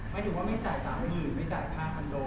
หมายถึงว่าไม่จ่าย๓๐๐๐ไม่จ่ายค่าคอนโด